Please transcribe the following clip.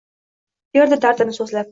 Berdi dardini so‘zlab.